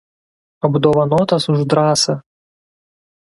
Apdovanotas už drąsą.